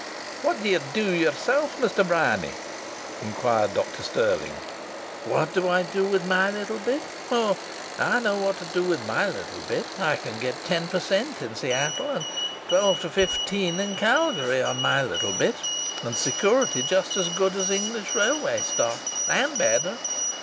"What d'ye do yeself, Mr. Bryany?" inquired Dr Stirling. "What do I do with my little bit?" cried Mr. Bryany. "Oh! I know what to do with my little bit. I can get ten per cent in Seattle and twelve to fifteen in Calgary on my little bit; and security just as good as English railway stock and better!"